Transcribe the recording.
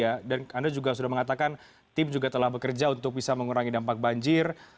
anda juga sudah mengatakan tim juga telah bekerja untuk bisa mengurangi dampak banjir